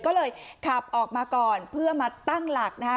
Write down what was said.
ก็เลยขับออกมาก่อนเพื่อมาตั้งหลักนะคะ